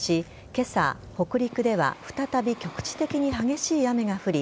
今朝、北陸では再び局地的に激しい雨が降り